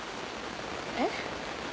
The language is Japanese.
えっ？